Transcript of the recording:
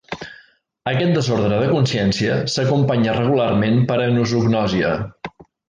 Aquest desordre de consciència s'acompanya regularment per anosognòsia.